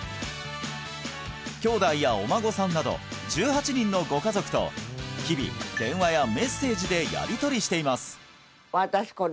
きょうだいやお孫さんなど１８人のご家族と日々電話やメッセージでやりとりしています